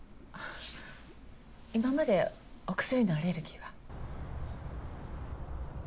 今までお薬のアレルギーは？